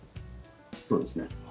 そうですね。